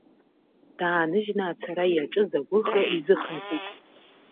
Дааныжьны ацара иаҿыз агәыӷра изыхынҳәит.